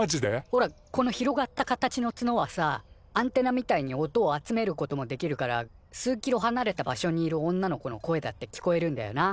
ほらこの広がった形のツノはさアンテナみたいに音を集めることもできるから数キロはなれた場所にいる女の子の声だって聞こえるんだよな